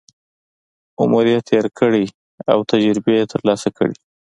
عمر یې تېر کړی او تجربې یې ترلاسه کړي.